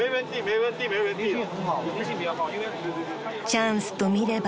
［チャンスとみれば］